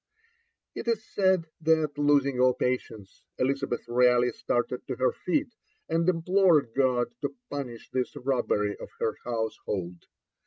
It is said that, losing all patience, Elizabeth Raleigh started to her feet, and implored God to punish this robbery of her household.